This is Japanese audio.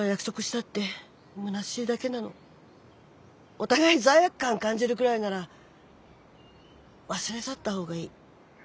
お互い罪悪感感じるぐらいなら忘れ去った方がいい。